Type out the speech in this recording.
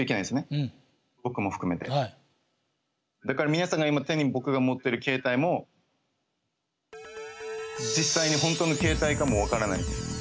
だから皆さんが今手に僕が持ってる携帯も実際に本当の携帯かも分からないです。